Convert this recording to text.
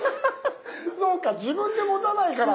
そうか自分で持たないから。